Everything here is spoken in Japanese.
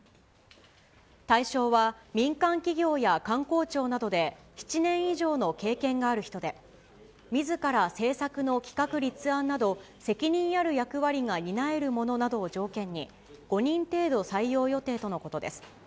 対象は、民間企業や官公庁などで７年以上の経験がある人で、みずから政策の企画立案など、責任ある役割が担える者などを条件に、５人程度採用予定とのことです。